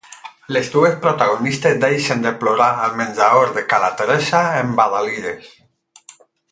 Les dues protagonistes deixen de plorar al menjador de ca la Teresa, embadalides.